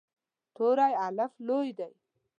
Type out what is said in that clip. توری “الف” لوی دی.